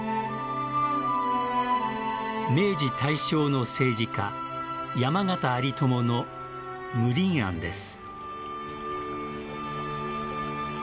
明治・大正の政治家山縣有朋の無鄰庵です。